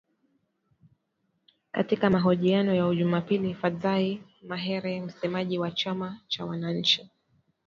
Katika mahojiano ya Jumapili, Fadzayi Mahere, msemaji wa chama cha wananchi